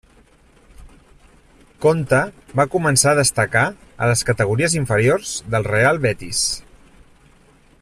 Conte va començar a destacar a les categories inferiors del Real Betis.